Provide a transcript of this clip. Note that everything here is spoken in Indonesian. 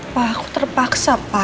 pa aku terpaksa pa